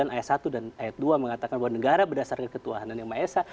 ayat satu dan ayat dua mengatakan bahwa negara berdasarkan ketuhanan yang maha esa